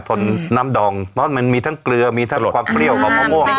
ทนน้ำดองเพราะมันมีทั้งเกลือมีทั้งความเปรี้ยวของมะม่วง